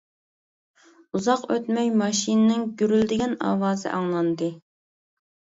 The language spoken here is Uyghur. ئۇزاق ئۆتمەي ماشىنىنىڭ گۈرۈلدىگەن ئاۋازى ئاڭلاندى.